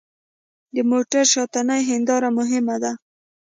د موټر شاتنۍ هېنداره مهمه ده.